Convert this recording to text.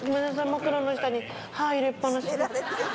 枕の下に歯入れっぱなしだ。